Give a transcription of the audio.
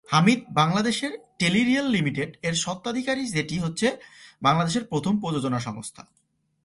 হামিদ বাংলাদেশের "Tele Real Limited" এর স্বত্বাধিকারী, যেটি হচ্ছে বাংলাদেশের প্রথম প্রযোজনা সংস্থা।